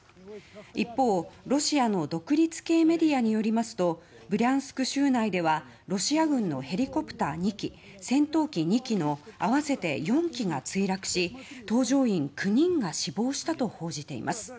一方、ロシアの独立系メディアによりますとブリャンスク州内ではロシア軍のヘリコプター２機戦闘機２機の合わせて４機が墜落し搭乗員９人が死亡したと報じています。